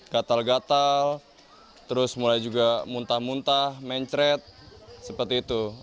gatal gatal terus mulai juga muntah muntah mencret seperti itu